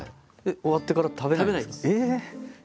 終わってから食べないんですか？